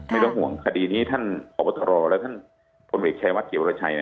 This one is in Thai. ไม่ต้องห่วงคดีนี้ท่านผอบตรและท่านพลเอกชายวัดเกี่ยววรชัย